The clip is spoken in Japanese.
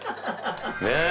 ねえ。